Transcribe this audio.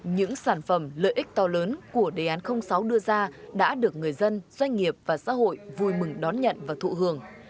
những sản phẩm lợi ích to lớn của đề án sáu đưa ra đã được người dân doanh nghiệp và xã hội vui mừng đón nhận và thụ hưởng